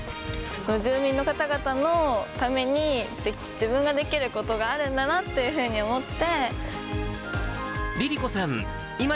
住民の方々のために、自分ができることがあるんだなっていうふうに思って。